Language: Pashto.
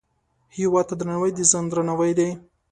هیواد ته درناوی، د ځان درناوی دی